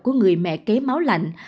của người mẹ kế máu lạnh